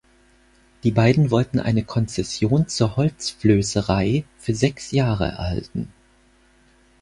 Die beiden wollten eine Konzession zur Holzflößerei für sechs Jahre erhalten.